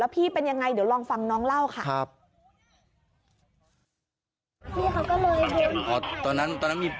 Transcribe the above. ไปช่วยนั้นมันใส่